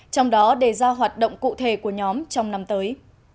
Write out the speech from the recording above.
trong đó đề ra hoạt động cụ thể của nhóm trong năm tới